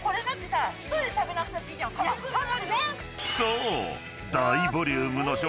［そう！］